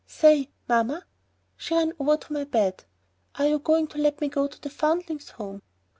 "Say! Mamma!" She ran over to my bed. "Are you going to let me go to the Foundlings' Home?"